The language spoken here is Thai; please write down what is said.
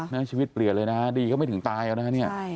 เนี่ยชีวิตเปลี่ยนเลยนะดีก็ไม่ถึงตายแล้วนะเนี่ย